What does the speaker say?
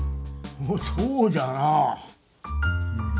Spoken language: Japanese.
おそうじゃな。